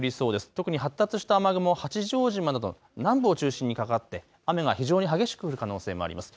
特に発達した雨雲、八丈島など南部を中心にかかって雨が非常に激しく降る可能性があります。